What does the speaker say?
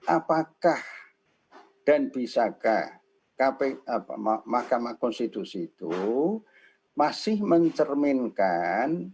apakah dan bisakah mahkamah konstitusi itu masih mencerminkan